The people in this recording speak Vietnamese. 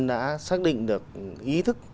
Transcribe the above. đã xác định được ý thức